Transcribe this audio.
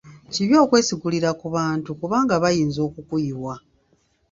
Kibi okwesigulira ku bantu kubanga bayinza okukuyiwa.